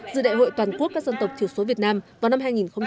dự đại hội toàn quốc các dân tộc thiểu số việt nam vào năm hai nghìn hai mươi